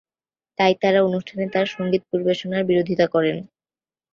তাই তারা অনুষ্ঠানে তার সংগীত পরিবেশনার বিরোধিতা করেন।